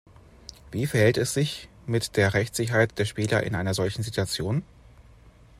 Wie verhält es sich mit der Rechtssicherheit der Spieler in einer solchen Situation?